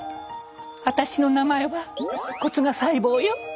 「私の名前は骨芽細胞よ！